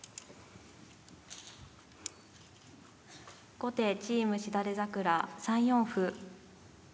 後手チームしだれざくら３四歩。